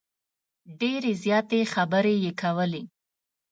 ډیرې زیاتې خبرې یې کولې.